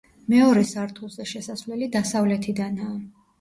მეორე სართულზე შესასვლელი დასავლეთიდანაა.